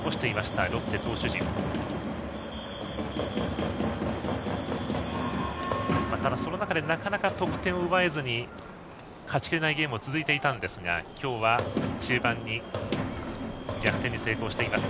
ただ、その中でなかなか得点を奪えずに勝ちきれないゲームが続いていたんですが今日は中盤に逆転に成功しています。